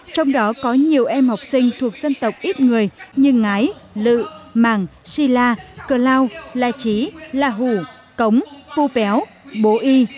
trong đó có nhiều em học sinh thuộc dân tộc ít người như ngái lự mạng xì la cờ lao la chí la hủ cống pu péo bố y